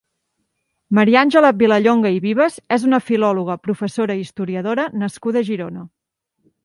Mariàngela Vilallonga i Vives és una filòloga, professora i historiadora nascuda a Girona.